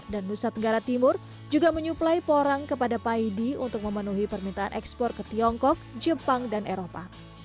kepala perusahaan di jawa makassar alor dan nusa tenggara timur juga menyuplai porang kepada paidee untuk memenuhi permintaan ekspor ke tiongkok jepang dan eropa